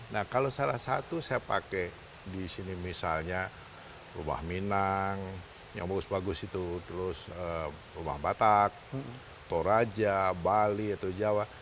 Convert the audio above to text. nah kalau salah satu saya pakai di sini misalnya rumah minang yang bagus bagus itu terus rumah batak toraja bali atau jawa